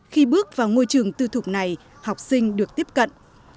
khi bước vào ngôi trường tư thục này học sinh được tiếp cận